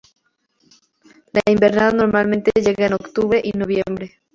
La invernada normalmente llega en octubre y noviembre.